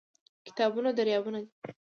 کتابونه دريابونه دي